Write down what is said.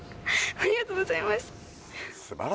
ありがとうございます。